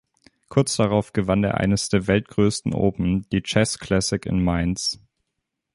Kurz darauf gewann er eines der weltgrößten Open, die Chess Classic in Mainz.